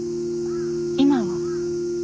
今は。